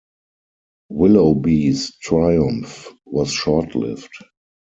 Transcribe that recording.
Willoughby's triumph was short-lived.